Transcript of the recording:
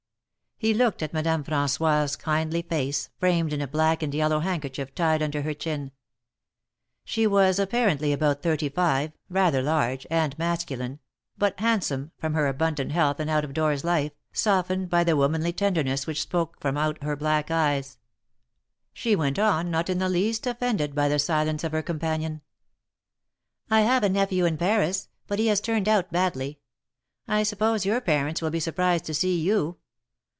He looked at Madame Frangois' kindly face, framed in a black and yellow handkerchief tied under her chin. She was apparently about thirty five, rather large, and masculine, but handsome, from her abundant health and out of doors life, softened by the womanly tenderness which spoke from out her black eyes. THE MARKETS OF PARIS. 35 She went on, not in the least offended by the silence of her companion. have a nephew in Paris, but he has turned out badly. I suppose your parents will be surprised to see you.